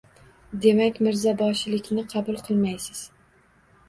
–Demak, mirzoboshilikni qabul qilmaysiz?